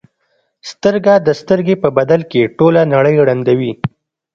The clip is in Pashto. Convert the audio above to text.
سترګه د سترګې په بدل کې ټوله نړۍ ړندوي.